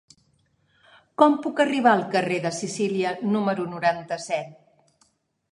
Com puc arribar al carrer de Sicília número noranta-set?